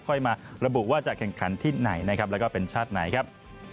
ค่อยมาระบุว่าจะแข่งขันที่ไหนนะครับแล้วก็เป็นชาติไหนครับ